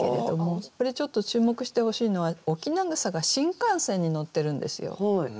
これちょっと注目してほしいのは翁草が新幹線に乗ってるんですよ。